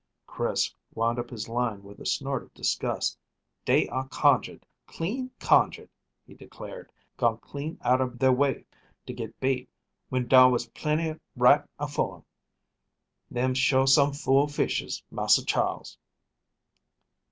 Chris wound up his line with a snort of disgust. "Dey are conjured, clean conjured," he declared; "going clean out ob their way to get bait when dar was plenty right afore 'em. Them's sure some fool fishes, Massa Charles."